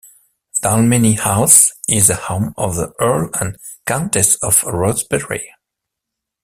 Dalmeny House is the home of the Earl and Countess of Rosebery.